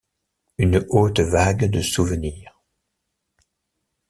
Une haute vague de souvenirs.